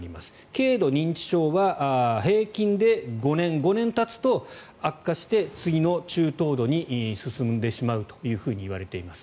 軽度認知症は平均で５年５年たつと悪化して次の中等度に進んでしまうといわれています。